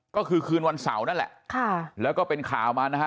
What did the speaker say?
ก็คือคืนวันเสาร์นั่นแหละค่ะแล้วก็เป็นข่าวมานะฮะ